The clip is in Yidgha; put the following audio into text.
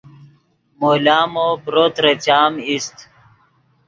مو لامو پرو ترے چام ایست